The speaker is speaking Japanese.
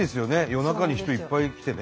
夜中に人いっぱい来てね。